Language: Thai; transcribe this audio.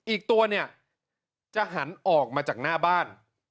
อีกตัวเนี่ยจะหันออกมาจากหน้าบ้าน